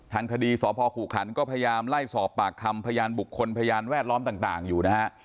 ทางคดีสพขู่ขันก็พยายามไล่สอบปากคำพยานบุคคลพยานแวดล้อมต่างอยู่นะฮะ